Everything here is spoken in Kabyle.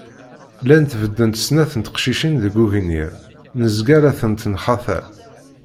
Llant beddent snat n teqcicin deg ugnir, nezga la tent-nettxatal